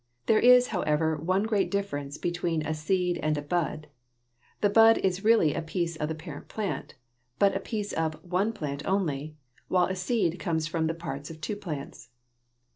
There is, however, one great difference between a seed and a bud. The bud is really a piece of the parent plant, but a piece of one plant only, while a seed comes from the parts of two plants.